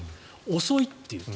遅いという。